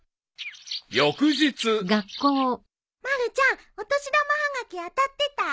［翌日］まるちゃんお年玉はがき当たってた？